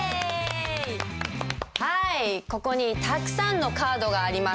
ここにたくさんのカードがあります。